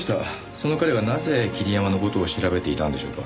その彼がなぜ桐山の事を調べていたんでしょうか？